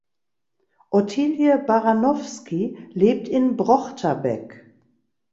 Ottilie Baranowski lebt in Brochterbeck.